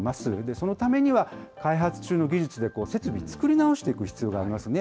そのためには、開発中の技術で設備を作り直していく必要がありますね。